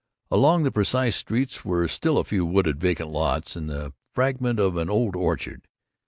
Along the precise streets were still a few wooded vacant lots, and the fragment of an old orchard.